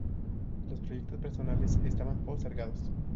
Los proyectos personales estaban postergados.